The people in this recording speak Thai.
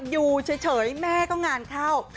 อยู่เฉยแม่ก็งานเข้า